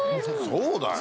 そうだよ！